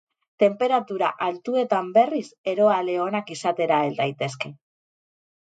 Tenperatura altuetan berriz, eroale onak izatera hel daitezke.